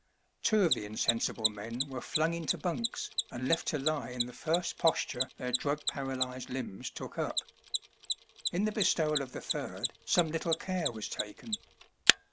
Two of the insen sible men were flung into bunks and left to lie in the first posture their drug paralyzed limbs took up. In the bestowal of the third some little care was taken.